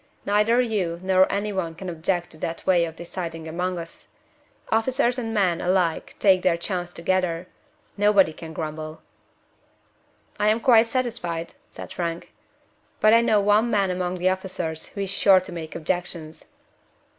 Neither you nor any one can object to that way of deciding among us. Officers and men alike take their chance together. Nobody can grumble." "I am quite satisfied," said Frank. "But I know of one man among the officers who is sure to make objections."